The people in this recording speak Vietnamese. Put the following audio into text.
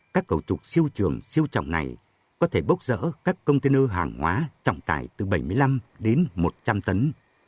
các cầu trục siêu trường siêu trọng này có thể bốc rỡ các container hàng hóa trọng tải từ bảy mươi năm đến một trăm linh tấn